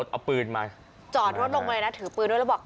เอาปืนมาจอดรถลงมาเลยนะถือปืนด้วยแล้วบอก